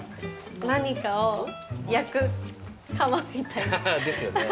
何かを焼く窯みたいなですよね。